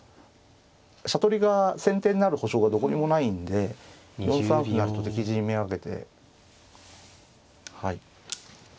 飛車取りが先手になる保証がどこにもないんで４三歩成と敵陣目がけてはい。